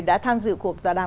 đã tham dự cuộc tòa đàm